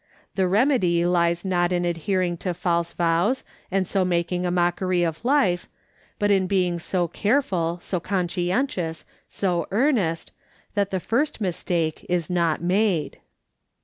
The remedy lies not in adhering to false vows and so making a mockery of life, but in being so careful, so conscientious, so earnest, that the first mistake is not made.